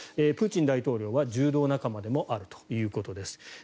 プーチン大統領は柔道仲間でもあるということです。